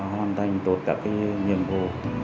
hoàn thành tốt các nhiệm vụ